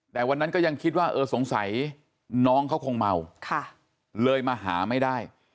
แต่วันนั้นก็ยังคิดว่าเออสงสัยน้องเขาคงเมาเลยมาหาไม่ได้